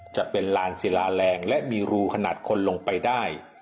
จะเป็นลานศิลาแรงและมีรูขนาดคนลงไปได้